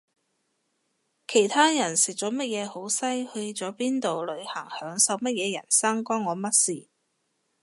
其他人食咗乜嘢好西去咗邊度旅行享受乜嘢人生關我乜事